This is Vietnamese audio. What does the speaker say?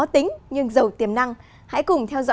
tôi nghĩ đó là điều rất quan trọng